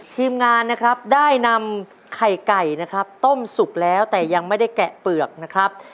ทีมงานนะครับได้นำไข่ไก่นะครับต้มสุกแล้วแต่ยังไม่ได้แกะเปลือกนะครับ